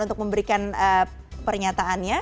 untuk memberikan pernyataannya